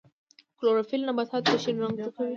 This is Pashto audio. کلوروفیل نباتاتو ته شین رنګ ورکوي